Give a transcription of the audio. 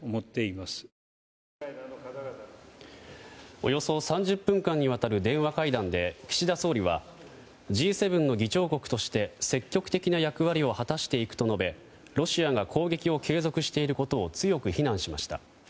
およそ３０分間にわたる電話会談で岸田総理はＧ７の議長国として積極的な役割を果たしていくと述べロシアが攻撃を継続していることを強く非難しました。